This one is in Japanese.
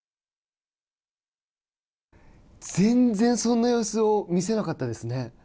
全然そんな様子を見せなかったですね。